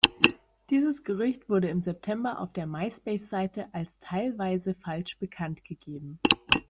Dieses Gerücht wurde im September auf der Myspace-Seite als teilweise falsch bekanntgegeben.